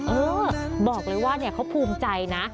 เออบอกเลยว่าเขาภูมิใจนะ